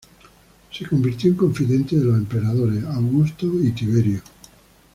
Se convirtió en confidente de los emperadores Augusto y Tiberio.